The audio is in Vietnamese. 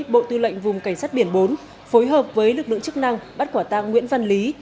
bộ tư lệnh vùng cảnh sát biển bốn phối hợp với lực lượng chức năng bắt quả tang nguyễn văn lý